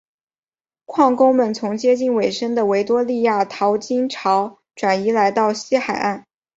矿工们从接近尾声的维多利亚淘金潮转移来到西海岸。